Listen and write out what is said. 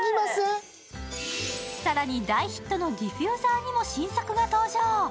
更に大ヒットのディフューザーにも新作が登場。